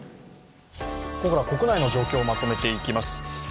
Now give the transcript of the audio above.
ここからは国内の状況をまとめていきます。